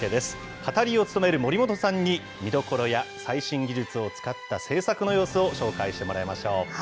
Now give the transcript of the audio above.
語りを務める守本さんに見どころや、最新技術を使った制作の様子を紹介してもらいましょう。